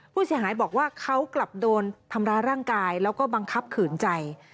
ผู้เสียหายบอกว่าเขากลับโดนทำร้ายร่างกายแล้วก็บังคับขืนใจ